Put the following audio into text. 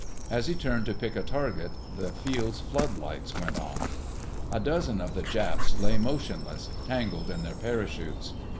As he turned to pick a target, the field's floodlights went on. A dozen of the Japs lay motionless, tangled in their parachutes.